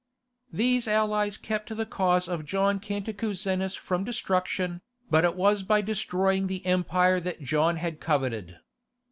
These allies kept the cause of John Cantacuzenus from destruction, but it was by destroying the empire that John had coveted.